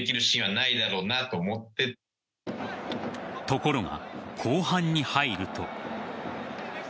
ところが後半に入ると。